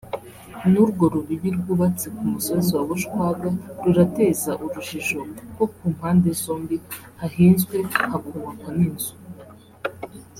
n’urwo rubibi rwubatse ku musozi wa Bushwaga rurateza urujijo kuko ku mpande zombi hahinzwe hakubakwa n’inzu